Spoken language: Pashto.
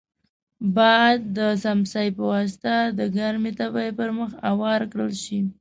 باید د څمڅۍ په واسطه د ګرمې تبۍ پر مخ اوار کړل شي.